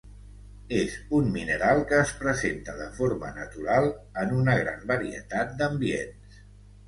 És un mineral que es presenta de forma natural en una gran varietat d'ambients.